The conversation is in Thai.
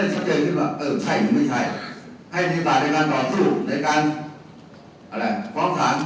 ไม่ใช้ไฟภาพการความสาเหตุในการต่อสู้ในการศึกษา